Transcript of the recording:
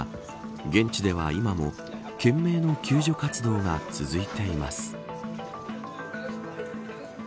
現地では今も懸命の救助活動が続いています。